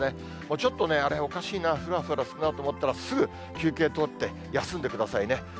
ちょっとあれ、おかしいな、ふらふらするなと思ったら、すぐ休憩取って、休んでくださいね。